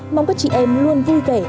mong các chị em luôn vui vẻ